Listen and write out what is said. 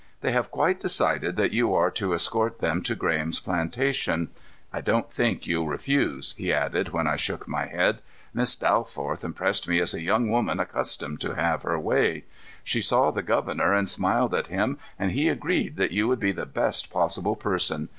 "They have quite decided that you are to escort them to Graham's plantation. I don't think you'll refuse," he added, when I shook my head. "Miss Dalforth impressed me as a young woman accustomed to having her way. She saw the governor and smiled at him, and he agreed that you would be the best possible person.